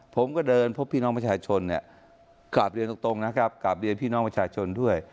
ผมก็เดินพบพี่น้องประชาชนเนี่ยกราบเรียนตรงนะครับกลับเรียนพี่น้องประชาชนด้วย